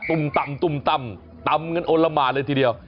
ที่เห็นนะฮะตุ่มต่ำตุ่มต่ำตำเงินโอนละมาเลยทีเดียว